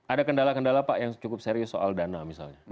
ada kendala kendala pak yang cukup serius soal dana misalnya